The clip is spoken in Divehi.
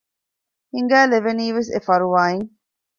ހިނގައިލެވެނީ ވެސް އެފަރުވާ އިން